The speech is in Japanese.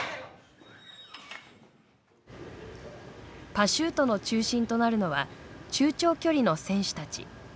パシュートの中心となるのは中長距離の選手たち。